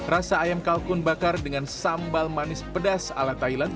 rasa ayam kalkun bakar dengan sambal manis pedas ala thailand